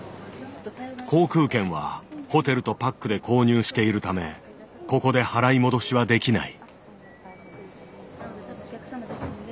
航空券はホテルとパックで購入しているためここで払い戻しはできない。